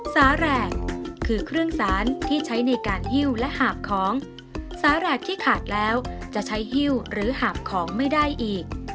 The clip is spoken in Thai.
สาแหลกคือเครื่องสารที่ใช้ในการหิ้วและหาบของสาแหลกที่ขาดแล้วจะใช้หิ้วหรือหาบของไม่ได้อีก